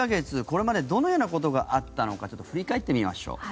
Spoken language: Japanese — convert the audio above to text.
これまでどのようなことがあったのか振り返ってみましょう。